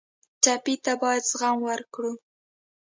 ټپي ته باید زغم ورکړو.